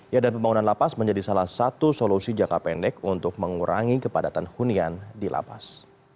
ya dan pembangunan lapas menjadi salah satu solusi jangka pendek untuk mengurangi kepadatan hunian di lapas